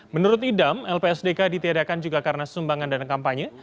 menurut idam lpsdk ditiadakan juga karena sumbangan dana kampanye